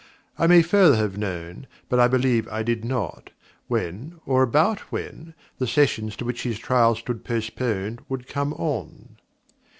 I may further have known, but I believe I did not, when, or about when, the Sessions to which his trial stood postponed would come on.